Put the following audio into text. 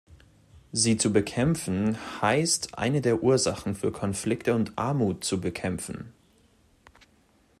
Sie zu bekämpfen, heißt eine der Ursachen für Konflikte und Armut zu bekämpfen.